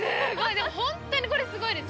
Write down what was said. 本当にこれ、すごいです！